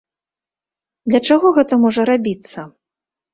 Для чаго гэта можа рабіцца?